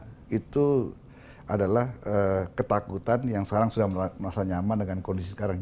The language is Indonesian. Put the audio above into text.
karena itu adalah ketakutan yang sekarang sudah merasa nyaman dengan kondisi sekarang